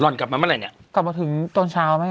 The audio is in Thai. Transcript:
ร้อนกลับมาเมื่อไหนกลับมาถึงตอนเช้าแม่